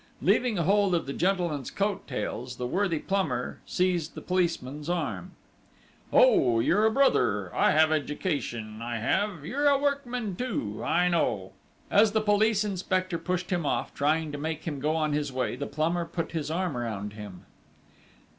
Leaving hold of the gentleman's coat tails, the worthy plumber seized the policeman's arm.' "Oh, you, you're a brother!... I have education, I have! You're a workman too, I know!..." As the police inspector pushed him off, trying to make him go on his way, the plumber put his arm round him.